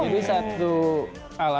jadi satu alat